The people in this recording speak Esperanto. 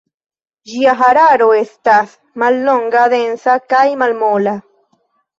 Ĝia hararo estas mallonga, densa kaj malmola.